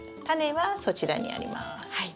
タネはそちらにあります。